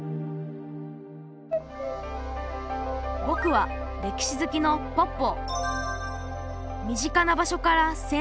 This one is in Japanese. ぼくは歴史好きのポッポー。